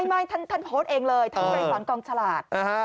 ไม่ท่านโพสต์เองเลยท่านไปสอนกองฉลาด